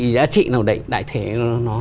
giá trị nào đấy đại thể nó